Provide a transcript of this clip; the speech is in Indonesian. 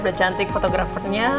udah cantik fotografernya